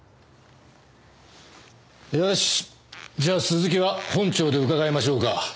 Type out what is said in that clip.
よしじゃあ続きは本庁で伺いましょうか。